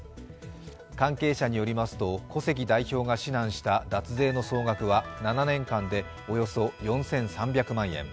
関係者によりますと小関代表が指南した脱税の総額は７年間でおよそ４３００万円。